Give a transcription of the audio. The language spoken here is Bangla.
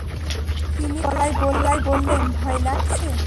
তিনি কাঁপা গলায় বললেন, ভয় লাগছে।